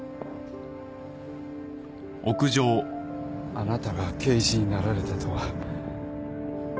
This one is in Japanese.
あなたが刑事になられたとは